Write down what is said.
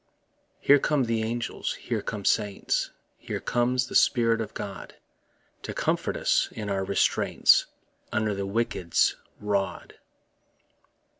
Here come the angels, here come saints, Here comes the Spirit of God, To comfort us in our restraints Under the wicked's rod.